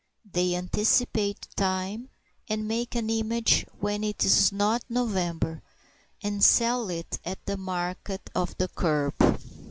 They anticipate time, and make an image when it is not November, and sell it at the market of the kerb.